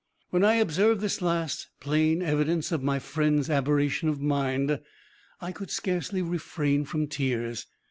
When I observed this last, plain evidence of my friend's aberration of mind, I could scarcely refrain from tears.